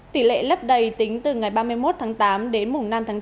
tỷ lệ lấp đầy tính từ ngày ba mươi một tháng tám đến mùng năm tháng tám